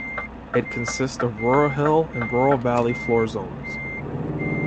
It consists of Rural Hill and Rural Valley Floor zones.